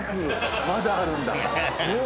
まだあるんだ。